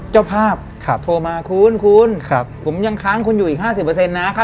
เจ้าภาพโทรมาคุณคุณผมยังค้างคุณอยู่อีก๕๐นะค่าตัวคุณน่ะนะ